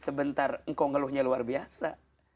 sebentar engkau ngeluhnya luar biasa